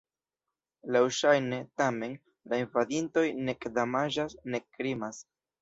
Laŭŝajne, tamen, la invadintoj nek damaĝas nek krimas.